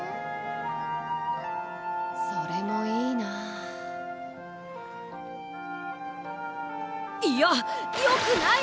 それもいいないやよくない！